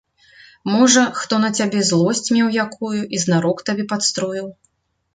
Можа, хто на цябе злосць меў якую і знарок табе падстроіў?